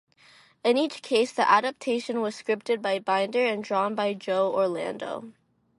In each case, the adaptation was scripted by Binder and drawn by Joe Orlando.